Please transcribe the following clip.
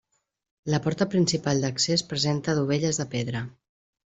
La porta principal d'accés presenta dovelles de pedra.